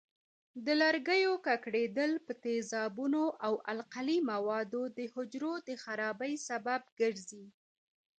د لرګیو ککړېدل په تیزابونو او القلي موادو د حجرو د خرابۍ سبب ګرځي.